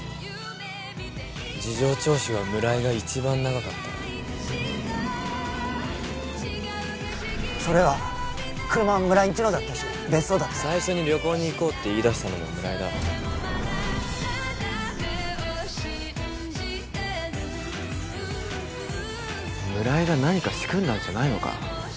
事情聴取は村井が一番長かったそれは車は村井んちのだったし別荘だって最初に旅行に行こうって言いだしたのも村井だ村井が何か仕組んだんじゃないのか？